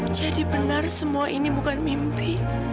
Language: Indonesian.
jadi benar semua ini bukan mimpi